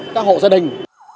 các hộ gia đình